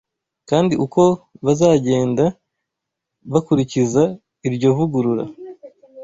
kandi uko bazagenda bakurikiza iryo vugurura